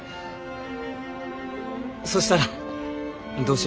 そしたらどうしよう。